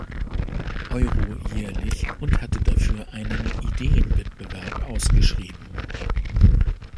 Euro jährlich und hatte dafür einen Ideenwettbewerb ausgeschrieben.